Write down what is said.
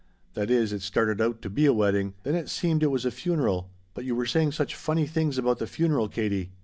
That is, it started out to be a wedding then it seemed it was a funeral. But you were saying such funny things about the funeral, Katie.